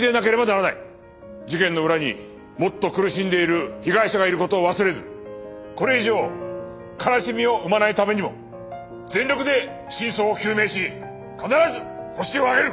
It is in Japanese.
事件の裏にもっと苦しんでいる被害者がいる事を忘れずこれ以上悲しみを生まないためにも全力で真相を究明し必ずホシを挙げる！